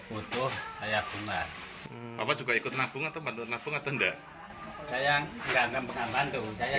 utuh saya bunga apa juga ikut nabung atau nabung atau enggak saya yang tidak mengambil bantu saya